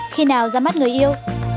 khi nào ra mắt người yêu